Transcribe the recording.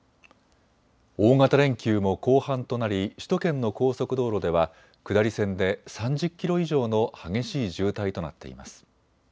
大型連休も後半となり首都圏の高速道路では下り線で３０キロ以上の激しい渋滞となっています。